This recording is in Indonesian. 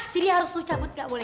jadi harus lo cabut gak boleh